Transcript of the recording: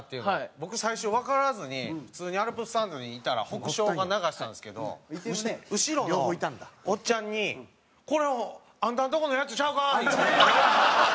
僕最初わからずに普通にアルプススタンドにいたら北照が流したんですけど後ろのおっちゃんに「これあんたんとこのやつちゃうか？」。